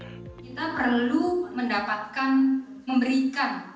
kita perlu mendapatkan memberikan